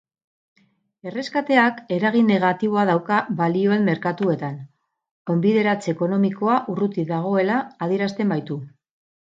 Erreskateak eragin negatiboa dauka balioen merkatuetan, onbideratze ekonomikoa urruti dagoela adierazten baitu.